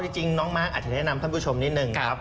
เอาจริงน้องมาร์คอาจจะแนะนำท่านผู้ชมนิดนึงครับ